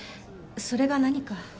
それが何か？